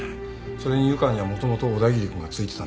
それに湯川にはもともと小田切君が付いてたんだし。